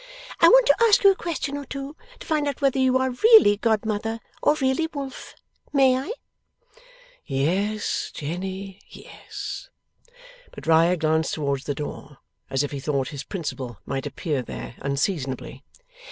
I want to ask you a question or two, to find out whether you are really godmother or really wolf. May I?' 'Yes, Jenny, yes.' But Riah glanced towards the door, as if he thought his principal might appear there, unseasonably.